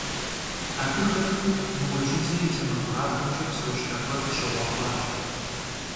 Абы хэту Ныуэжьыдзэ и сэмэгурабгъумкӀэ псэущхьэ гуэр къыщыгъуэхъуащ.